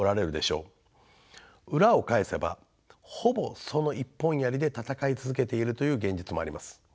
裏を返せばほぼその一本やりで戦い続けているという現実もあります。